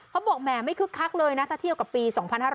เขาบอกแม่ไม่คึกคักเลยนะถ้าเที่ยวกับปี๒๕๖๓